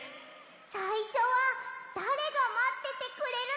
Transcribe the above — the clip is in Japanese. さいしょはだれがまっててくれるのかな？